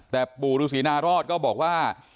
แต่ปู่ฤษีนารอดก็บอกว่า